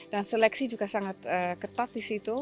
dan seleksi juga sangat ketat di situ